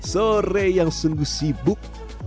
sore yang sungguh sibuk